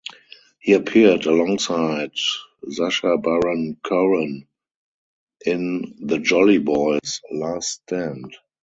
He appeared alongside Sacha Baron Cohen in "The Jolly Boys' Last Stand".